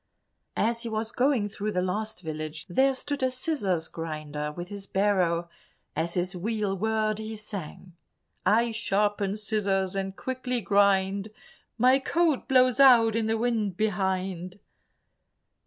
As he was going through the last village, there stood a scissors grinder with his barrow; as his wheel whirred he sang— "I sharpen scissors and quickly grind, My coat blows out in the wind behind."